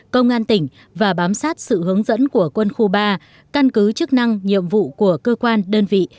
công an tỉnh và bám sát sự hướng dẫn của quân khu ba căn cứ chức năng nhiệm vụ của cơ quan đơn vị